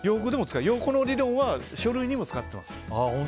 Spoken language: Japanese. この理論は書類にも使ってます。